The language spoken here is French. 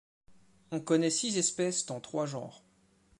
On connait six espèces dans trois genres.